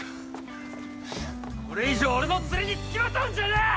これ以上俺のツレに付きまとうんじゃねえ！